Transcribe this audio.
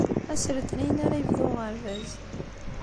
Ass n letniyen ara yebdu uɣerbaz.